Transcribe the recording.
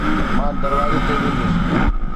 مان دروازي تي ويندس